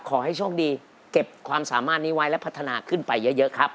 ขอให้โชคดีเก็บความสามารถนี้ไว้และพัฒนาขึ้นไปเยอะครับ